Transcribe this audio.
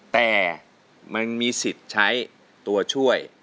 แต่มันมีสิทธิ์ใช้ตัวช่วย